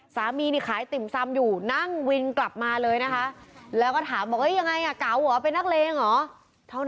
สามีนี่ขายติ่มซำอยู่นั่งวินกลับมาเลยนะคะ